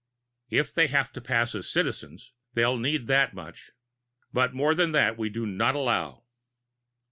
If they have to pass as Citizens, they'll need that much. But more than that we do not allow."